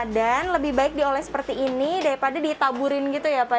dan lebih baik dioles seperti ini daripada ditaburin gitu ya pak ya